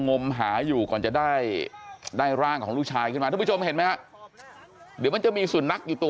งมหาอยู่ก่อนจะได้ได้ร่างของลูกชายขึ้นมาทุกผู้ชมเห็นไหมฮะเดี๋ยวมันจะมีสุนัขอยู่ตัว